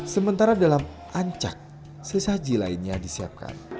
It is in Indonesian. sementara dalam ancak sesaji lainnya disiapkan